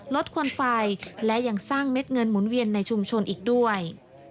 ควันไฟและยังสร้างเม็ดเงินหมุนเวียนในชุมชนอีกด้วย